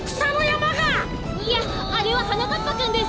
いやあれははなかっぱくんです！